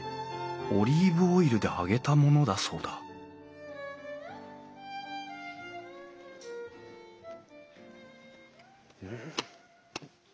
オリーブオイルで揚げたものだそうだうん！